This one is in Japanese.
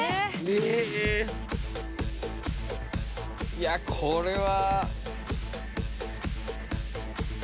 いやこれは。